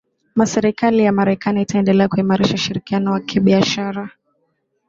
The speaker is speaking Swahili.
ma serikali ya marekani itaendelea kuimarisha ushirikiano wakibiashara